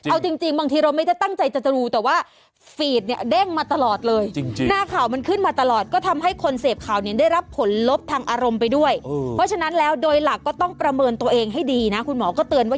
เอาจริงบางทีเราไม่ได้ตั้งใจจะดูแต่ว่า